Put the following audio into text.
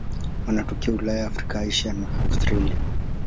Wanatokea Ulaya, Afrika, Asia na Australia.